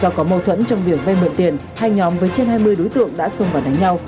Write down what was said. do có mâu thuẫn trong việc vay mượn tiền hai nhóm với trên hai mươi đối tượng đã xông vào đánh nhau